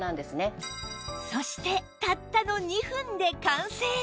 そしてたったの２分で完成！